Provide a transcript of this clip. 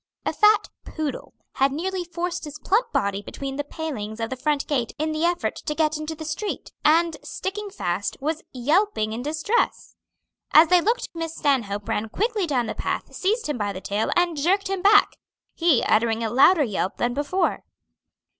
A fat poodle had nearly forced his plump body between the palings of the front gate in the effort to get into the street, and sticking fast, was yelping in distress. As they looked Miss Stanhope ran quickly down the path, seized him by the tail, and jerked him back, he uttering a louder yelp than before.